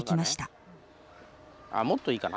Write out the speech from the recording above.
もっといいかな